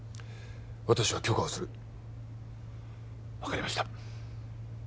私は許可をする分かりました